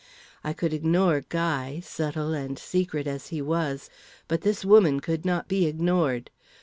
I could ignore Guy, subtle and secret as he was, but this woman could not be ignored.